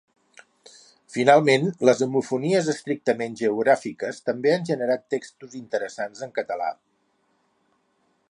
Finalment, les homofonies estrictament geogràfiques també han generat textos interessants en català.